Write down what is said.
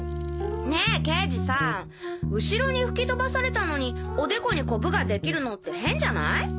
ねぇ刑事さん後ろに吹き飛ばされたのにおでこにコブができるのって変じゃない？